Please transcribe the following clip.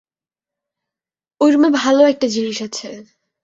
ওইরুমে ভালো একটা জিনিস আছে।